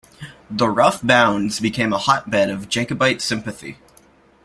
The Rough Bounds became a hotbed of Jacobite sympathy.